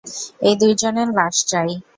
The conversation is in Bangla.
এই দুজনের লাশ চাই।